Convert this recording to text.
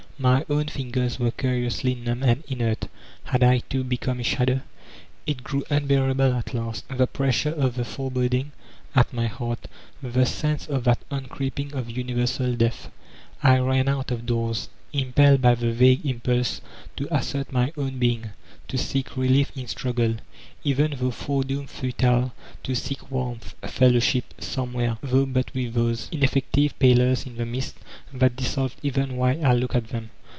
My own fingers were curiously numb and inert; had I, too, become a shadow? It grew unbearable at last, the pressure of the fore boding at my heart, the sense of that on creeping of Universal Death. I ran out of doors, impelled by the vague impulse to assert my own being, to seek relief in struggle, even though foredoomed futile — to sedt warmth, fellowship, somewhere, though but with those 4IO VoLTAntiNB IMS Cleyie ineffective pallors in the mist, that dissolved iwhile I looked at them.